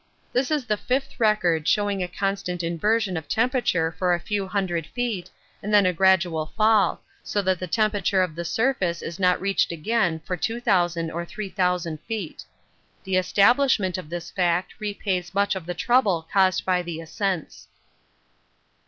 This is the fifth record showing a constant inversion of temperature for a few hundred feet and then a gradual fall, so that the temperature of the surface is not reached again for 2000 or 3000 feet. The establishment of this fact repays much of the trouble caused by the ascents.